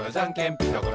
ピタゴラ